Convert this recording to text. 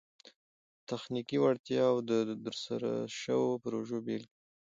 تخنیکي وړتیاوي او د ترسره سوو پروژو بيلګي